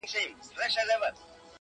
زه پر خپلي ناشکرۍ باندي اوس ژاړم٫